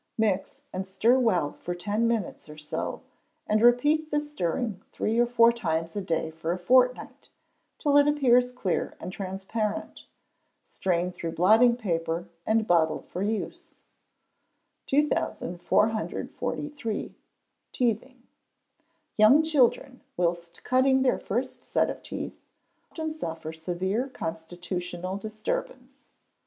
Mix and stir well for ten minutes or so, and repeat this stirring three or four times a day for a fortnight, till it appears clear and transparent. Strain through blotting paper, and bottle up for use. 2443. Teething. Young children, whilst cutting their first set of teeth, often suffer severe constitutional disturbance.